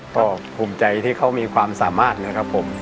ก็ภูมิใจที่เขามีความสามารถนะครับผม